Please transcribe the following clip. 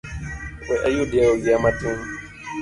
We ayudie wiya matin.